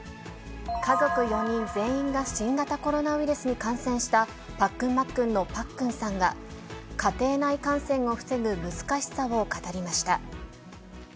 家族４人全員が新型コロナウイルスに感染したパックンマックンのパックンさんが、家庭内感染を防ぐ難しさを語りました。